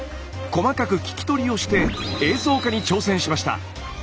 細かく聞き取りをして映像化に挑戦しました。